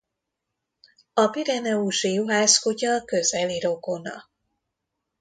A pireneusi juhászkutya közeli rokona.